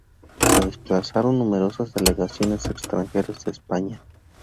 Se desplazaron numerosas delegaciones extranjeras a España.